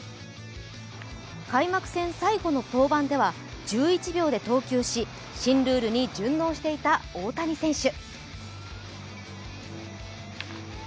開幕戦最後の登板では１１秒で投球し新ルールに順応していた大谷選手。